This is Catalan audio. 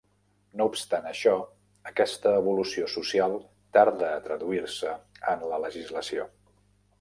No obstant això, aquesta evolució social tarda a traduir-se en la legislació.